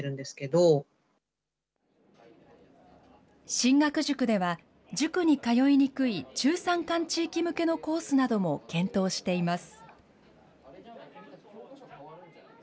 進学塾では、塾に通いにくい中山間地域向けのコースなども検討しています。